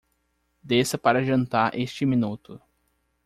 Desça para jantar este minuto.